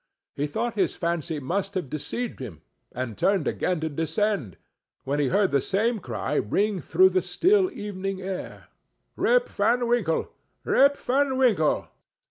He thought his fancy must have deceived him, and turned again to descend, when he heard the same cry ring through the still evening air: "Rip Van Winkle! Rip Van Winkle!"